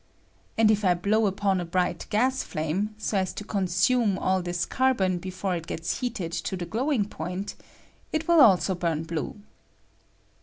And if I blow upon a bright ■flame, so as to consume all this carbon [before it gets heated to the glowing point, it also bum blue.